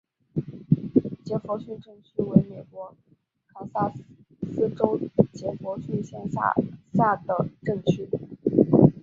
杰佛逊镇区为美国堪萨斯州杰佛逊县辖下的镇区。